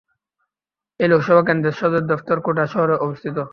এই লোকসভা কেন্দ্রর সদর দফতর কোটা শহরে অবস্থিত।